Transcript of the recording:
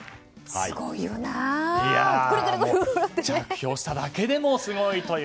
着氷しただけでもすごいという。